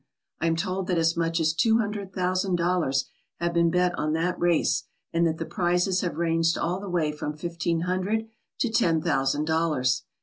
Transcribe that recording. I am told that as much as two hun dred thousand dollars have been bet on that race, and that the prizes have ranged all the way from fifteen hundred to ten thousand dollars.